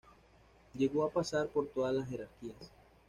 Llegó a pasar por todas las jerarquías.